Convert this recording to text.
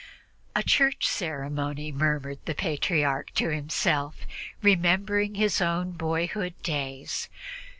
"A church ceremony," murmured the Patriarch to himself, remembering his own boyhood days.